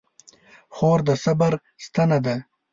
خور د صبر ستنه ده.